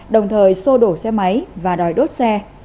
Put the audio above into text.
đồng thời sô đổ xe máy và đòi đốt xe